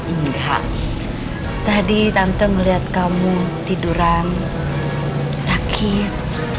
enggak tadi tante melihat kamu tiduran sakit